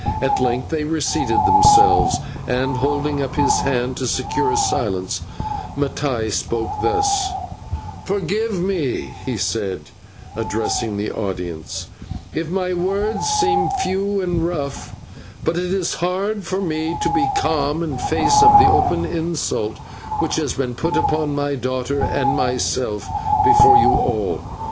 At length they reseated themselves, and, holding up his hand to secure silence, Mattai spoke thus: "Forgive me," he said, addressing the audience, "if my words seem few and rough, but it is hard for me to be calm in face of the open insult which has been put upon my daughter and myself before you all.